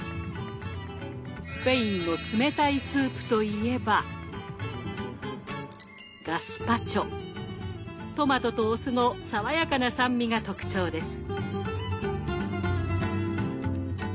スペインの冷たいスープといえばトマトとお酢の爽やかな酸味が特徴です。